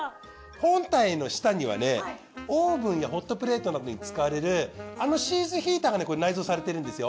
本体の下にはねオーブンやホットプレートなどに使われるあのシーズヒーターがね内蔵されてるんですよ。